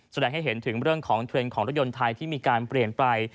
แสดงให้เห็นถึงเรื่องของเทรนด์ของรถยนต์ไทยที่มีการเปลี่ยนไป